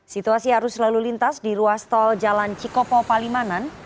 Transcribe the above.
situasi arus lalu lintas di ruas tol jalan cikopo palimanan